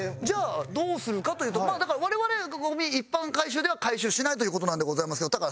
じゃあどうするかというとまあだから我々一般回収では回収しないという事なんでございますけど。